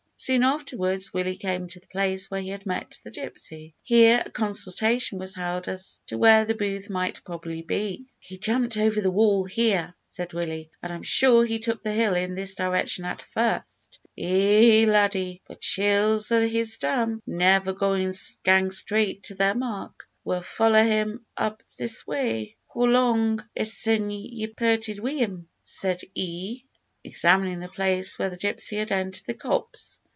Soon afterwards, Willie came to the place where he had met the gypsy. Here a consultation was held as to where the booth might probably be. "He jumped over the wall here," said Willie, "and I'm sure he took the hill in this direction at first." "Ay, laddie; but chiels o' his stamp never gang straight to their mark. We'll follow him up this way. Hoe long is't sin' ye perted wi' him, said ee?" examining the place where the gypsy had entered the copse.